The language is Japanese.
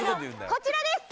こちらです